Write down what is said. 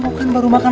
kamu kan baru makan